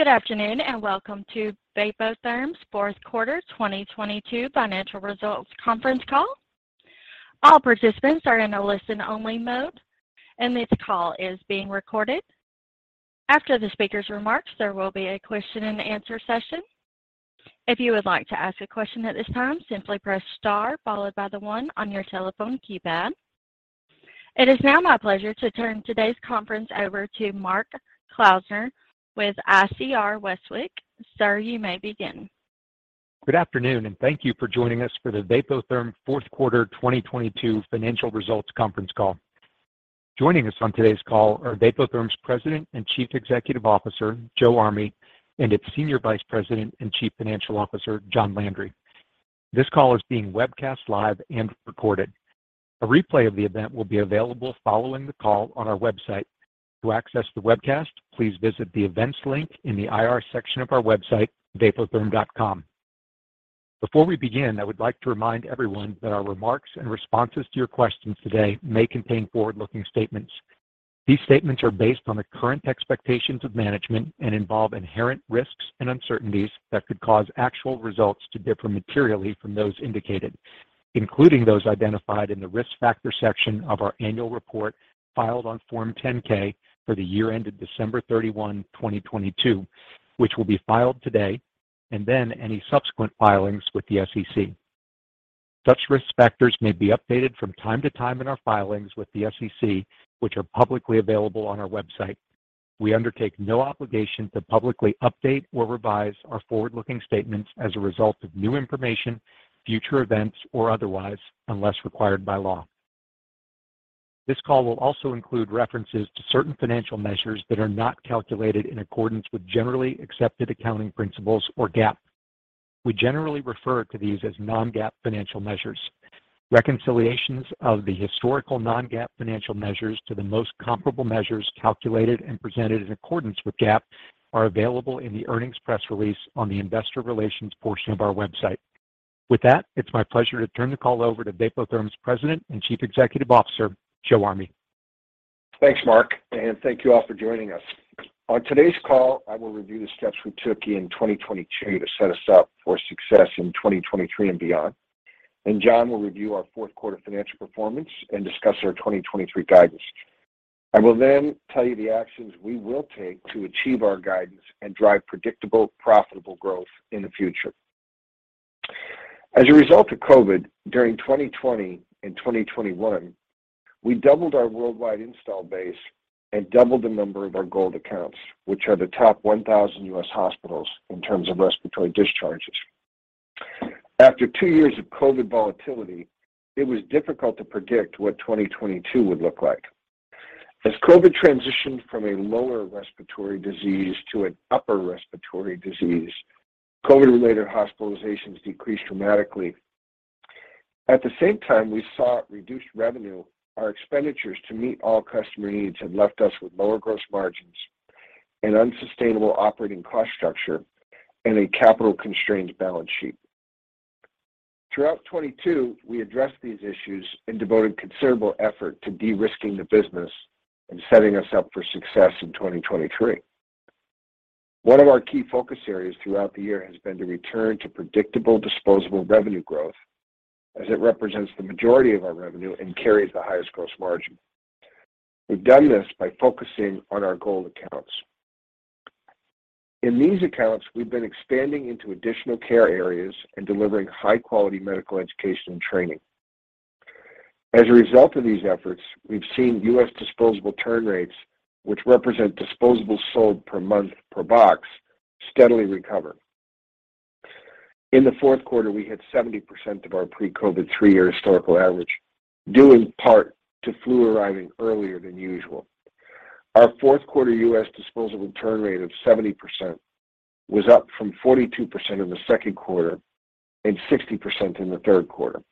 Good afternoon, welcome to Vapotherm's fourth quarter 2022 financial results conference call. All participants are in a listen-only mode, and this call is being recorded. After the speaker's remarks, there will be a question and answer session. If you would like to ask a question at this time, simply press star followed by the 1 on your telephone keypad. It is now my pleasure to turn today's conference over to Mark Klausner with ICR Westwicke. Sir, you may begin. Good afternoon, thank you for joining us for the Vapotherm fourth quarter 2022 financial results conference call. Joining us on today's call are Vapotherm's President and Chief Executive Officer, Joe Army, and its Senior Vice President and Chief Financial Officer, John Landry. This call is being webcast live and recorded. A replay of the event will be available following the call on our website. To access the webcast please visit the events link in the IR section of our website, vapotherm.com. Before we begin, I would like to remind everyone that our remarks and responses to your questions today may contain forward-looking statements. These statements are based on the current expectations of management and involve inherent risks and uncertainties that could cause actual results to differ materially from those indicated, including those identified in the risk factor section of our annual report filed on Form 10-K for the year ended December 31, 2022, which will be filed today, any subsequent filings with the SEC. Such risk factors may be updated from time to time in our filings with the SEC, which are publicly available on our website. We undertake no obligation to publicly update or revise our forward-looking statements as a result of new information, future events, or otherwise, unless required by law. This call will also include references to certain financial measures that are not calculated in accordance with generally accepted accounting principles or GAAP. We generally refer to these as non-GAAP financial measures. Reconciliations of the historical non-GAAP financial measures to the most comparable measures calculated and presented in accordance with GAAP are available in the earnings press release on the investor relations portion of our website. It's my pleasure to turn the call over to Vapotherm's President and Chief Executive Officer, Joe Army. Thanks, Mark. Thank you all for joining us. On today's call, I will review the steps we took in 2022 to set us up for success in 2023 and beyond. John will review our fourth quarter financial performance and discuss our 2023 guidance. I will tell you the actions we will take to achieve our guidance and drive predictable, profitable growth in the future. As a result of COVID, during 2020 and 2021, we doubled our worldwide install base and doubled the number of our gold accounts, which are the top 1,000 U.S.. Hospitals in terms of respiratory discharges. After two years of COVID volatility, it was difficult to predict what 2022 would look like. As COVID transitioned from a lower respiratory disease to an upper respiratory disease, COVID-related hospitalizations decreased dramatically. At the same time, we saw reduced revenue, our expenditures to meet all customer needs have left us with lower gross margins and unsustainable operating cost structure and a capital-constrained balance sheet. Throughout 2022, we addressed these issues and devoted considerable effort to de-risking the business and setting us up for success in 2023. One of our key focus areas throughout the year has been the return to predictable disposable revenue growth as it represents the majority of our revenue and carries the highest gross margin. We've done this by focusing on our gold accounts. In these accounts, we've been expanding into additional care areas and delivering high-quality medical education and training. As a result of these efforts, we've seen U.S. disposable turn rates, which represent disposable sold per month per box, steadily recover. In the fourth quarter, we hit 70% of our pre-COVID three-year historical average, due in part to flu arriving earlier than usual. Our fourth quarter US disposable turn rate of 70% was up from 42% in the second quarter and 60% in the third quarter.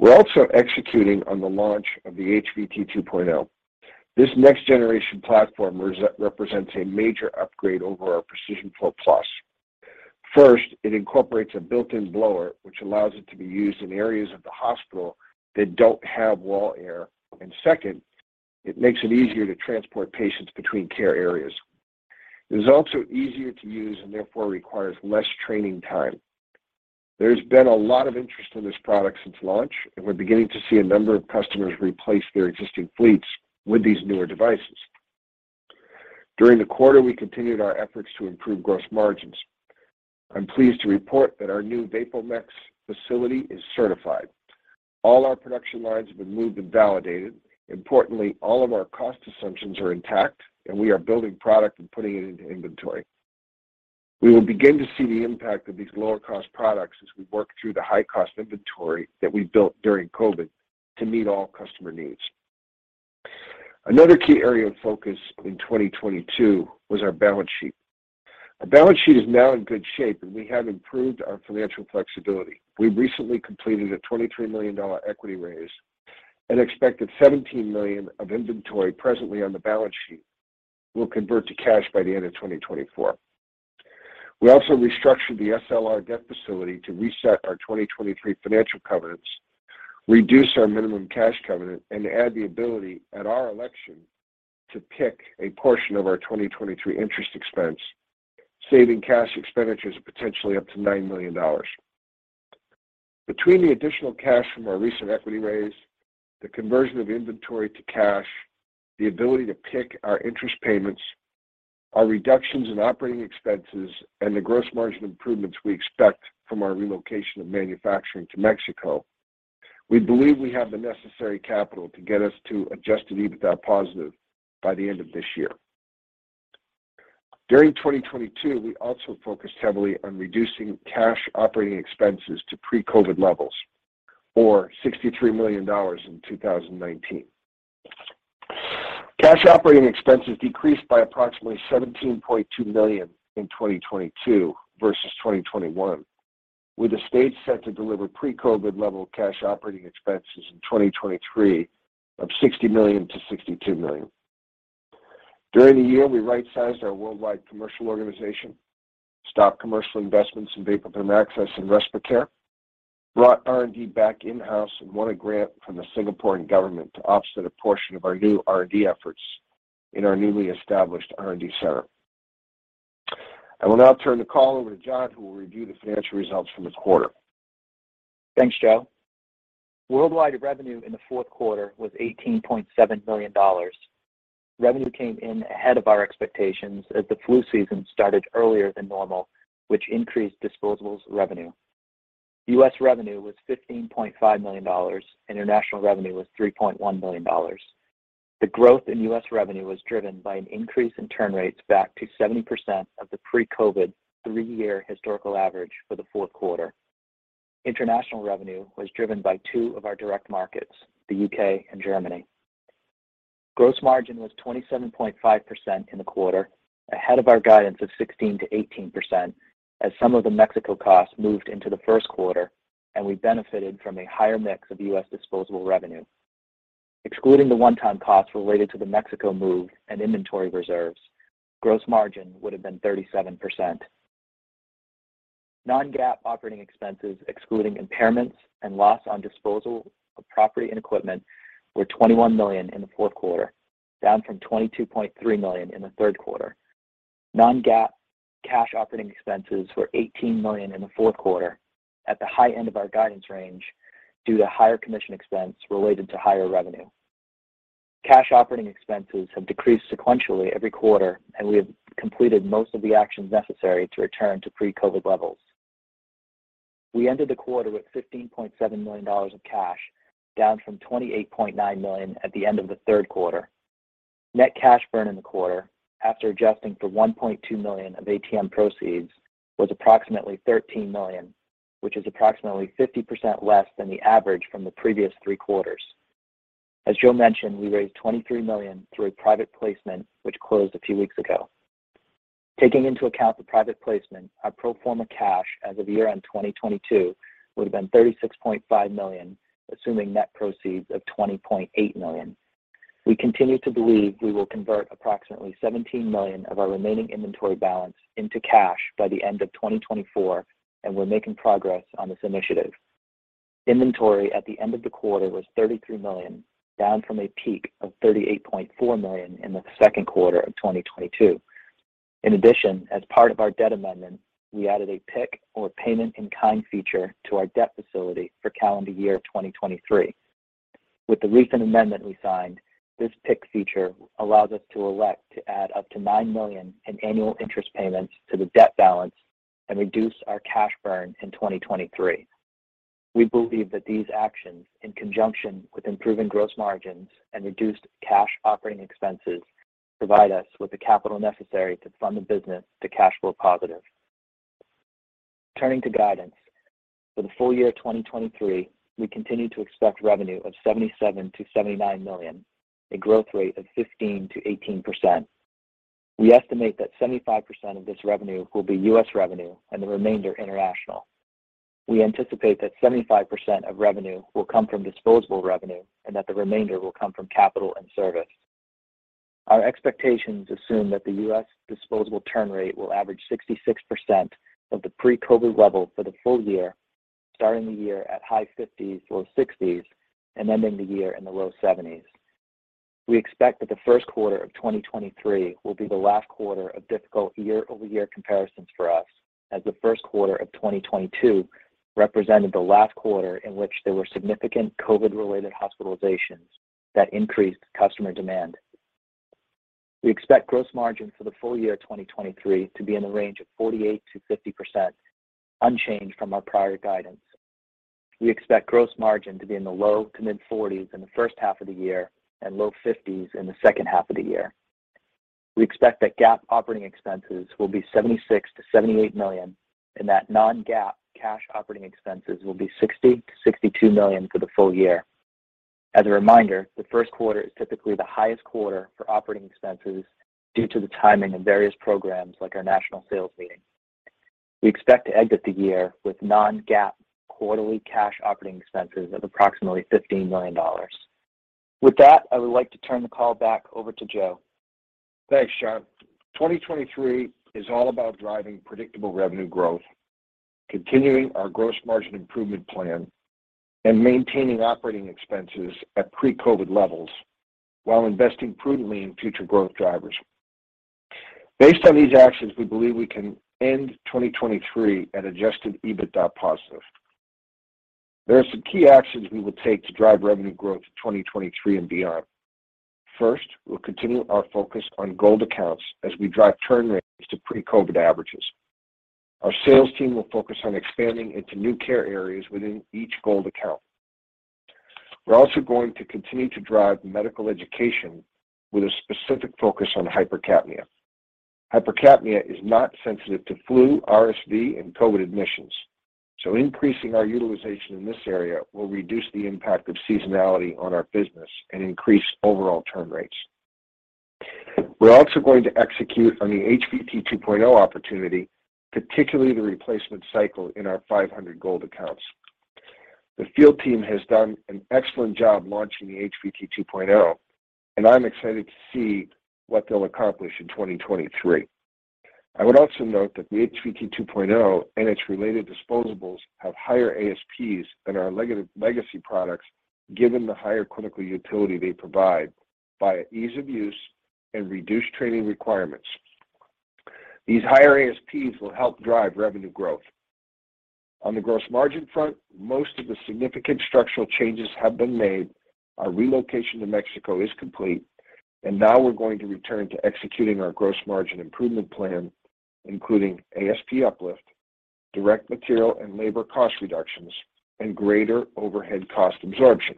We're also executing on the launch of the HVT 2.0. This next generation platform represents a major upgrade over our Precision Flow Plus. First, it incorporates a built-in blower, which allows it to be used in areas of the hospital that don't have wall air. Second, it makes it easier to transport patients between care areas. It is also easier to use and therefore requires less training time. There's been a lot of interest in this product since launch, and we're beginning to see a number of customers replace their existing fleets with these newer devices. During the quarter, we continued our efforts to improve gross margins. I'm pleased to report that our new VapoMex facility is certified. All our production lines have been moved and validated. Importantly, all of our cost assumptions are intact, and we are building product and putting it into inventory. We will begin to see the impact of these lower cost products as we work through the high cost inventory that we built during COVID to meet all customer needs. Another key area of focus in 2022 was our balance sheet. Our balance sheet is now in good shape, and we have improved our financial flexibility. We recently completed a $23 million equity raise, an expected $17 million of inventory presently on the balance sheet will convert to cash by the end of 2024. We also restructured the SLR debt facility to reset our 2023 financial covenants, reduce our minimum cash covenant, and add the ability at our election to PIK a portion of our 2023 interest expense, saving cash expenditures potentially up to $9 million. Between the additional cash from our recent equity raise, the conversion of inventory to cash, the ability to PIK our interest payments, our reductions in operating expenses, and the gross margin improvements we expect from our relocation of manufacturing to Mexico, we believe we have the necessary capital to get us to Adjusted EBITDA positive by the end of this year. During 2022, we also focused heavily on reducing cash operating expenses to pre-COVID levels or $63 million in 2019. Cash operating expenses decreased by approximately $17.2 million in 2022 versus 2021, with the stage set to deliver pre-COVID level cash operating expenses in 2023 of $60 million-$62 million. During the year, we rightsized our worldwide commercial organization, stopped commercial investments in Vapotherm Access and RespirCare, brought R&D back in-house, and won a grant from the Singaporean government to offset a portion of our new R&D efforts in our newly established R&D center. I will now turn the call over to John, who will review the financial results from this quarter. Thanks, Joe. Worldwide revenue in the fourth quarter was $18.7 million. Revenue came in ahead of our expectations as the flu season started earlier than normal, which increased disposables revenue. U.S.. Revenue was $15.5 million. International revenue was $3.1 million. The growth in U.S.. Revenue was driven by an increase in turn rates back to 70% of the pre-COVID three-year historical average for the fourth quarter. International revenue was driven by two of our direct markets, the U.K. and Germany. Gross margin was 27.5% in the quarter, ahead of our guidance of 16%-18%, as some of the Mexico costs moved into the first quarter and we benefited from a higher mix of U.S.. Disposable revenue. Excluding the one-time costs related to the Mexico move and inventory reserves, gross margin would have been 37%. Non-GAAP operating expenses, excluding impairments and loss on disposal of property and equipment, were $21 million in the fourth quarter, down from $22.3 million in the third quarter. Non-GAAP cash operating expenses were $18 million in the fourth quarter at the high end of our guidance range due to higher commission expense related to higher revenue. Cash operating expenses have decreased sequentially every quarter, and we have completed most of the actions necessary to return to pre-COVID levels. We ended the quarter with $15.7 million of cash, down from $28.9 million at the end of the third quarter. Net cash burn in the quarter, after adjusting for $1.2 million of ATM proceeds, was approximately $13 million, which is approximately 50% less than the average from the previous three quarters. As Joe Army mentioned, we raised $23 million through a private placement which closed a few weeks ago. Taking into account the private placement, our pro forma cash as of year-end 2022 would have been $36.5 million, assuming net proceeds of $20.8 million. We continue to believe we will convert approximately $17 million of our remaining inventory balance into cash by the end of 2024, and we're making progress on this initiative. Inventory at the end of the quarter was $33 million, down from a peak of $38.4 million in the second quarter of 2022. In addition, as part of our debt amendment, we added a PIK or payment in kind feature to our debt facility for calendar year 2023. With the recent amendment we signed, this PIK feature allows us to elect to add up to $9 million in annual interest payments to the debt balance and reduce our cash burn in 2023. We believe that these actions, in conjunction with improving gross margins and reduced cash operating expenses, provide us with the capital necessary to fund the business to cash flow positive. Turning to guidance, for the full year 2023, we continue to expect revenue of $77 million-$79 million, a growth rate of 15%-18%. We estimate that 75% of this revenue will be U.S.. Revenue and the remainder international. We anticipate that 75% of revenue will come from disposable revenue and that the remainder will come from capital and service. Our expectations assume that the U.S..disposable turn rate will average 66% of the pre-COVID level for the full year, starting the year at high 50s, low 60s, and ending the year in the low 70s. We expect that the first quarter of 2023 will be the last quarter of difficult year-over-year comparisons for us, as the first quarter of 2022 represented the last quarter in which there were significant COVID-related hospitalizations that increased customer demand. We expect gross margin for the Full Year 2023 to be in the range of 48%-50%, unchanged from our prior guidance. We expect gross margin to be in the low to mid-40s in the first half of the year and low 50s in the second half of the year. We expect that GAAP operating expenses will be $76 million-$78 million and that non-GAAP cash operating expenses will be $60 million-$62 million for the full year. As a reminder, the first quarter is typically the highest quarter for operating expenses due to the timing of various programs like our national sales meeting. We expect to exit the year with non-GAAP quarterly cash operating expenses of approximately $15 million. With that, I would like to turn the call back over to Joe. Thanks, John. 2023 is all about driving predictable revenue growth, continuing our gross margin improvement plan, and maintaining operating expenses at pre-COVID levels while investing prudently in future growth drivers. Based on these actions, we believe we can end 2023 at Adjusted EBITDA positive. There are some key actions we will take to drive revenue growth in 2023 and beyond. First, we'll continue our focus on gold accounts as we drive turn rates to pre-COVID averages. Our sales team will focus on expanding into new care areas within each gold account. We're also going to continue to drive medical education with a specific focus on hypercapnia. Hypercapnia is not sensitive to flu, RSV, and COVID admissions, increasing our utilization in this area will reduce the impact of seasonality on our business and increase overall turn rates. We're also going to execute on the HVT 2.0 opportunity, particularly the replacement cycle in our 500 gold accounts. The field team has done an excellent job launching the HVT 2.0, and I'm excited to see what they'll accomplish in 2023. I would also note that the HVT 2.0 and its related disposables have higher ASPs than our legacy products, given the higher clinical utility they provide via ease of use and reduced training requirements. These higher ASPs will help drive revenue growth. On the gross margin front, most of the significant structural changes have been made. Our relocation to Mexico is complete. Now we're going to return to executing our gross margin improvement plan, including ASP uplift, direct material and labor cost reductions, and greater overhead cost absorption.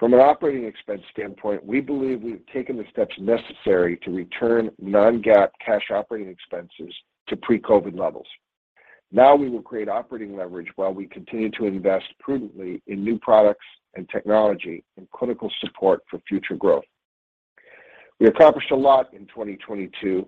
From an operating expense standpoint, we believe we have taken the steps necessary to return non-GAAP cash operating expenses to pre-COVID levels. Now we will create operating leverage while we continue to invest prudently in new products and technology and clinical support for future growth. We accomplished a lot in 2022,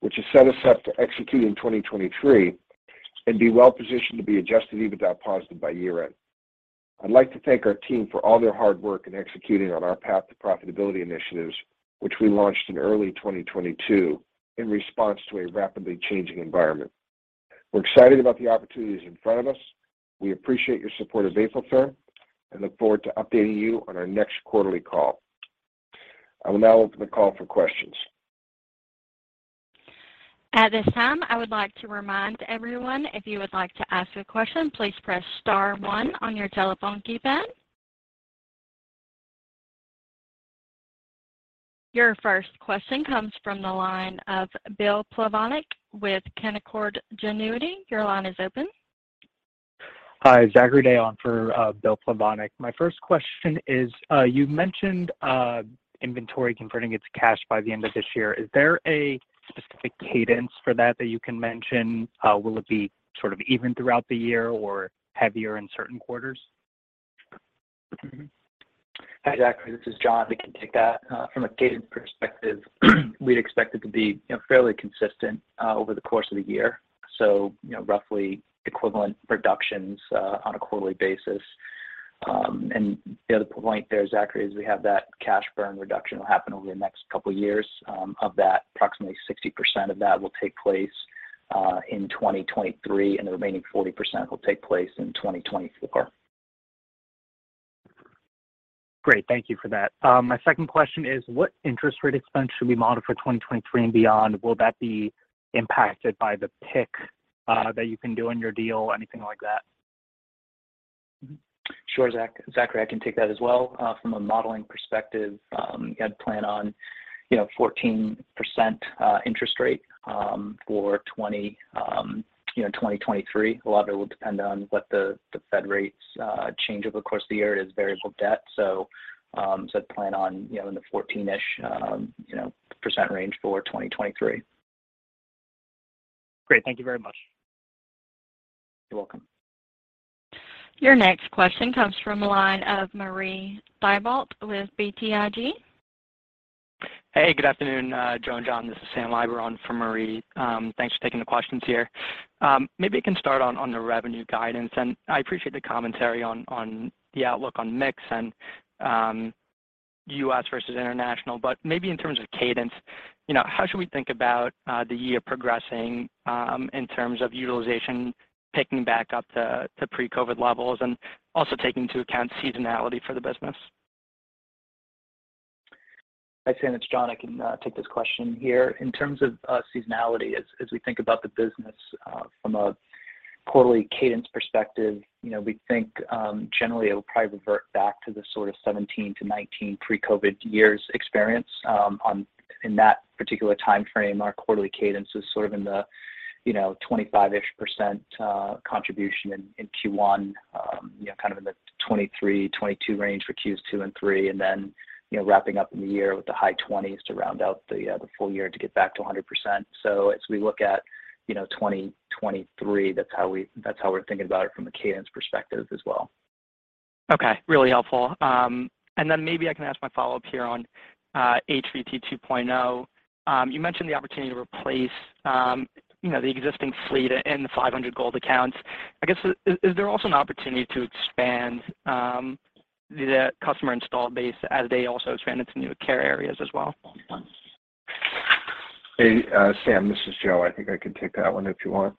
which has set us up to execute in 2023 and be well-positioned to be Adjusted EBITDA positive by year-end. I'd like to thank our team for all their hard work in executing on our path to profitability initiatives, which we launched in early 2022 in response to a rapidly changing environment. We're excited about the opportunities in front of us. We appreciate your support of Vapotherm, and look forward to updating you on our next quarterly call. I will now open the call for questions. At this time, I would like to remind everyone if you would like to ask a question, please press star one on your telephone keypad. Your first question comes from the line of Bill Plovanic with Canaccord Genuity. Your line is open. Hi. Zachary Day on for Bill Plovanic. My first question is, you mentioned inventory converting into cash by the end of this year. Is there a specific cadence for that that you can mention? Will it be sort of even throughout the year or heavier in certain quarters? Hi, Zachary. This is John. We can take that. From a cadence perspective, we'd expect it to be, you know, fairly consistent, over the course of the year, so, you know, roughly equivalent reductions, on a quarterly basis. The other point there, Zachary, is we have that cash burn reduction will happen over the next couple years. Of that, approximately 60% of that will take place, in 2023, and the remaining 40% will take place in 2024. Great. Thank you for that. My second question is what interest rate expense should we model for 2023 and beyond? Will that be impacted by the PIK that you can do on your deal? Anything like that? Sure, Zach, I can take that as well. From a modeling perspective, you gotta plan on, you know, 14% interest rate for, you know, 2023. A lot of it will depend on what the Fed rates change over the course of the year. It is variable debt, so plan on, you know, in the 14-ish, you know, percent range for 2023. Great. Thank you very much. You're welcome. Your next question comes from the line of Marie Thibault with BTIG. Hey, good afternoon, Joe and John. This is Sam Eiber for Marie. Thanks for taking the questions here. Maybe I can start on the revenue guidance, and I appreciate the commentary on the outlook on mix and U.S. versus international. Maybe in terms of cadence, you know, how should we think about the year progressing in terms of utilization ticking back up to pre-COVID levels and also taking into account seasonality for the business? Hi, Sam, it's John. I can take this question here. In terms of seasonality as we think about the business from a quarterly cadence perspective, you know, we think generally it will probably revert back to the sort of 17 to 19 pre-COVID years experience. In that particular timeframe, our quarterly cadence was sort of in the, you know, 25-ish% contribution in Q1. You know, kind of in the 23, 22 range for Qs two and three and then, you know, wrapping up in the year with the high 20s to round out the full year to get back to a 100%. As we look at, you know, 2023, that's how we're thinking about it from a cadence perspective as well. Okay. Really helpful. Then maybe I can ask my follow-up here on HVT 2.0. You mentioned the opportunity to replace, you know, the existing fleet in the 500 gold accounts. I guess is there also an opportunity to expand the customer install base as they also expand into new care areas as well? Hey, Sam, this is Joe. I think I can take that one if you want.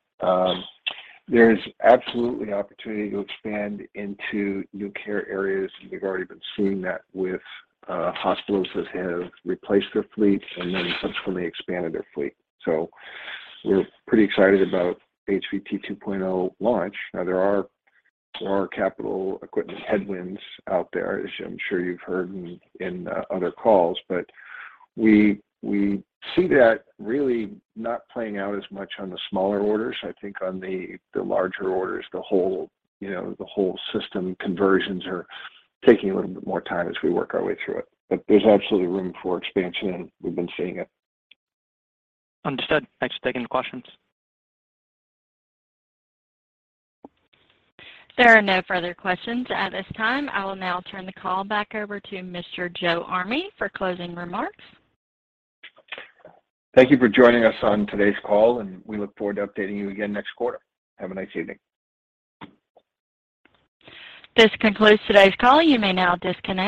There's absolutely opportunity to expand into new care areas. We've already been seeing that with hospitals that have replaced their fleet and then subsequently expanded their fleet. We're pretty excited about HVT 2.0 launch. There are, there are capital equipment headwinds out there, as I'm sure you've heard in other calls. We, we see that really not playing out as much on the smaller orders. I think on the larger orders, the whole, you know, the whole system conversions are taking a little bit more time as we work our way through it. There's absolutely room for expansion, and we've been seeing it. Understood. Thanks for taking the questions. There are no further questions at this time. I will now turn the call back over to Mr. Joe Army for closing remarks. Thank you for joining us on today's call, and we look forward to updating you again next quarter. Have a nice evening. This concludes today's call. You may now disconnect.